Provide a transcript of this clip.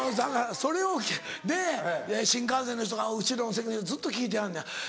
それを新幹線の人が後ろの席でずっと聞いてはんねん。